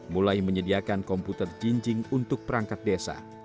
mulai menyediakan komputer jinjing untuk perangkat desa